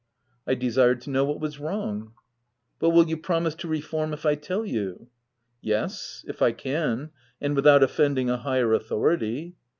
I desired to know what was w*rong. " But will you promise to reform, if I tell you }"■ "Yes, if I can — and without offending a higher authority."